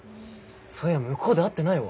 そういや向こうで会ってないわ。